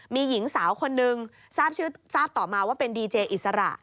มีหญิงสาวคนนึงทราบต่อมาว่าเป็นดีเจอิสระ